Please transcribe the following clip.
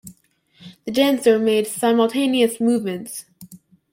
The dancer made simultaneous movements.